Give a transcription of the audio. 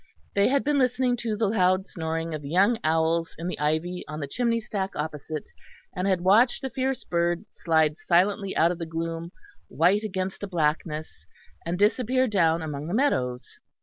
They had been listening to the loud snoring of the young owls in the ivy on the chimney stack opposite, and had watched the fierce bird slide silently out of the gloom, white against the blackness, and disappear down among the meadows.